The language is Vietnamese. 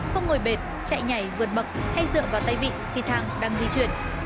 không ngồi bệt chạy nhảy vượt bậc hay dựa vào tay vị khi thang đang di chuyển